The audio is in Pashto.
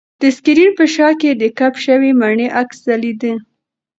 د سکرین په شاه کې د کپ شوې مڼې عکس ځلېده.